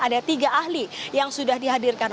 ada tiga ahli yang sudah dihadirkan